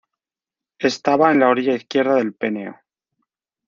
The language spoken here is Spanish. Estaba en la orilla izquierda del Peneo.